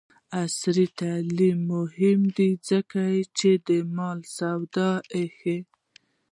عصري تعلیم مهم دی ځکه چې د مالي سواد ښيي.